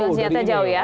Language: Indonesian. gudang senjata jauh ya